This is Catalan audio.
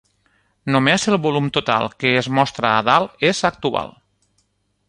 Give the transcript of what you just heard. Només el volum total que es mostra a dalt és actual.